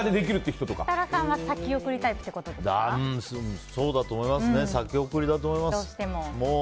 うん、そうだと思いますね先送りだと思います。